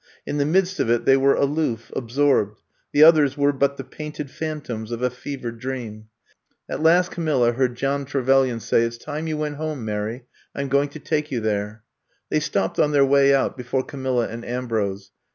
In the midst of it they were aloof, absorbed. The others were but the painted phantoms of a fevered dream. At last Camifla heard John Trevelyan 110 I'VE COME TO STAY say, It 's time you went home, Mary. I 'm going to take you there/' They stopped on their way out before Camilla and Ambrose.